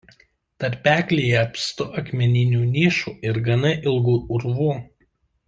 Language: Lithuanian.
Tarpeklyje apstu akmeninių nišų ir gana ilgų urvų.